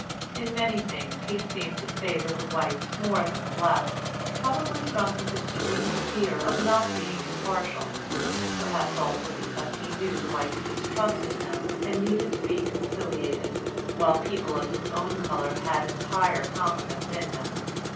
In many things he seemed to favor the whites more than the blacks; probably from his extreme fear of not being impartial; perhaps also because he knew the whites distrusted him and needed to be conciliated, while people of his own color had entire confidence in him.